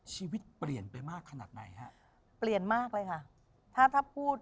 ชีวิตเปลี่ยนไปมากขนาดไหนฮะเปลี่ยนมากเลยค่ะถ้าถ้าพูด